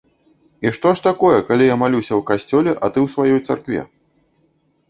І што ж такое, калі я малюся ў касцёле, а ты ў сваёй царкве?